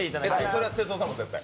それは哲夫さんも絶対？